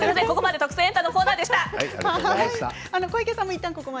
ここまで「特選！